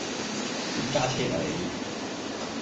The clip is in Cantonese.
點揸車㗎你